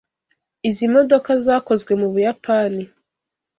Izi modoka zakozwe mu Buyapani.